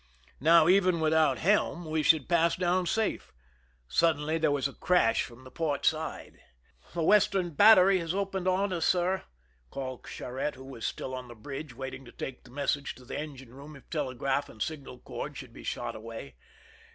Now, even without helm, we should pass down safe. Suddenly there was a crash from the port side. 92 /( THE RUN IN " The western battery has opened on us, sir !" called Charette, who was still on the bridge, waiting to take the message to the engine room if telegraph and signal cord should be shot away.